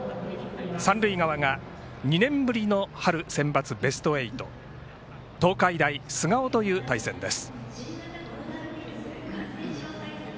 三塁側が２年ぶりの春センバツ、ベスト８東海大菅生という対戦です。